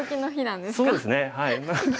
そうですねはい。